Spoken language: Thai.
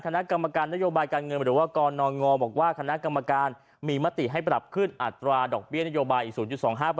คณะกรรมการนโยบายการเงินหรือว่ากรณงบอกว่าคณะกรรมการมีมติให้ปรับขึ้นอัตราดอกเบี้ยนโยบายอีก๐๒๕